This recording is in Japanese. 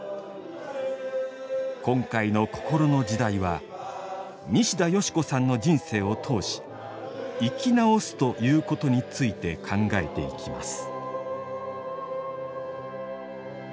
今回の「こころの時代」は西田好子さんの人生を通し「生き直す」ということについて考えていきます。